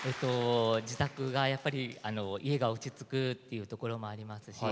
自宅が、やっぱり家が落ち着くというところもありますし